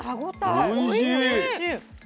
おいしい！